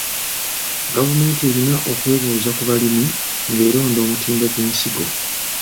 Gavumenti erina okwebuuza ku balimi ng'eronda omutindo gw'ensigo.